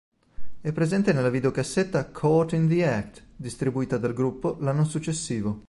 È presente nella videocassetta "Caught in the Act" distribuita dal gruppo l'anno successivo.